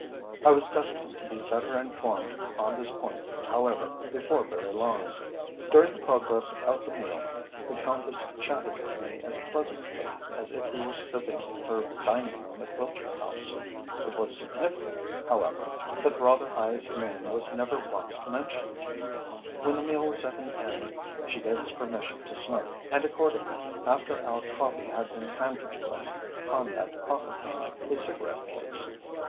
I was destined to be better informed on this point, however, before very long. During the progress of the meal the Countess chatted with me as pleasantly as if we were sitting in her dining room at Wiltshire House. It was significant, however, that Rotherhithe's name was never once mentioned. When the meal was at an end she gave us permission to smoke, and accordingly, after our coffee had been handed to us, Conrad proffered me his cigarette case.